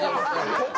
ここ。